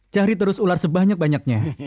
cari terus ular sebanyak banyaknya